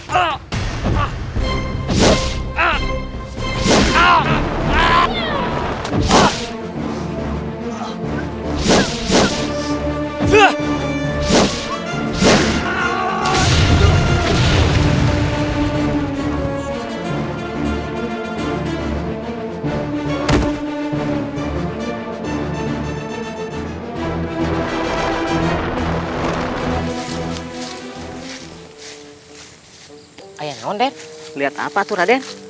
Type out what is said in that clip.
hai hai bro hai hai hai ayanon det lihat apa tuh aden